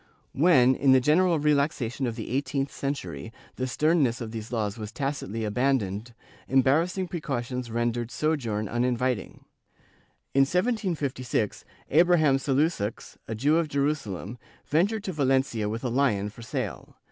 ^ When, in the general relaxation of the eighteenth century, the sternness of these laws was tacitly abandoned, embarrassing pre cautions rendered sojourn uninviting. In 1756, Abraham Salusox, a Jew of Jerusalem, ventured to Valencia with a lion for sale.